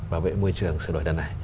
bảo vệ môi trường sửa đổi đần này